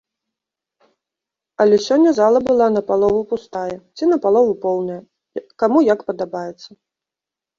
Але сёння зала была на палову пустая, ці на палову поўная, каму як падабаецца.